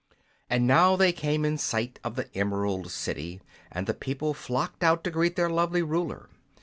And now they came in sight of the Emerald City, and the people flocked out to greet their lovely ruler.